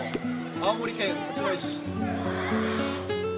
青森県八戸市。